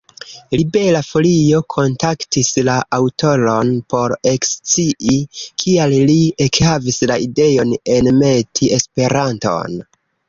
Libera Folio kontaktis la aŭtoron por ekscii, kial li ekhavis la ideon enmeti Esperanton.